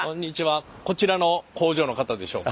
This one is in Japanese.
こちらの工場の方でしょうか？